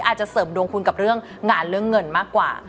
อาจจะเสริมดวงคุณกับเรื่องงานเรื่องเงินมากกว่า